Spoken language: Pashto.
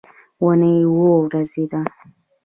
اونۍ اووه ورځې ده